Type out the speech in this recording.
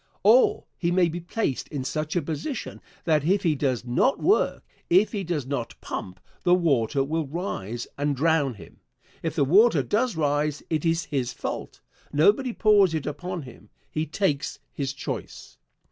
Or he may be placed in such a position that if he does not work if he does not pump the water will rise and drown him. If the water does rise it is his fault. Nobody pours it upon him. He takes his choice.